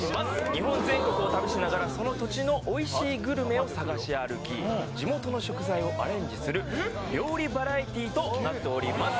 日本全国を旅しながらその土地のおいしいグルメを探し歩き地元の食材をアレンジする料理バラエティとなっております